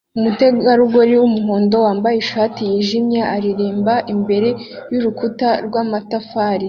Umutegarugori wumuhondo wambaye ishati yijimye aririmba imbere yurukuta rwamatafari